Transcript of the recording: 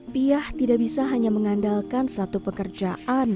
piyah tidak bisa hanya mengandalkan satu pekerjaan